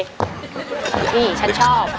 นี่ฉันชอบ